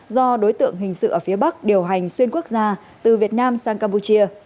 do đối tượng hình sự ở phía bắc điều hành xuyên quốc gia từ việt nam sang campuchia